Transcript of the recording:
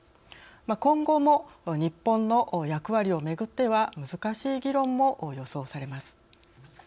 今後も日本の役割をめぐっては難しい議論も予想されます。